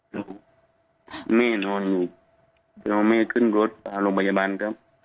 ลูกแม่นอนอยู่รุงมา่ม่าขึ้นรถพาลงพยาบาลครับ